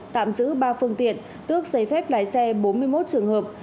tạm giữ ba phương tiện tước giấy phép lái xe bốn mươi một trường hợp